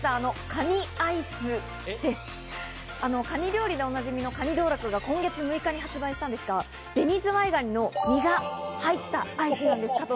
カニ料理でおなじみのかに道楽が今月６日に発売したんですが、紅ずわいがにの身が入ったアイスなんです。